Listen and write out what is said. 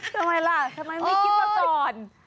ทำไมล่ะทำไมไม่คิดมาก่อน